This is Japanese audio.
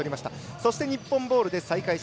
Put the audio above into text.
そして、日本ボールで再開。